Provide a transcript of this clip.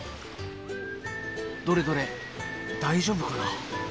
どれどれ大丈夫かな？